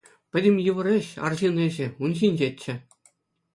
Пӗтӗм йывӑр ĕç, арҫын ĕçĕ, ун ҫинчеччӗ.